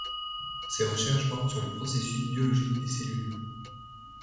Ses recherches portent sur le processus biologique des cellules.